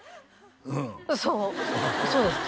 うんそうそうですか？